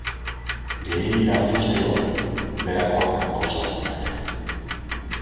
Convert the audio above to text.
Gehiegi hartuz gero beherakoak kausa ditzake.